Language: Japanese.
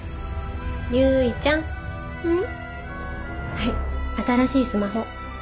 はい新しいスマホ。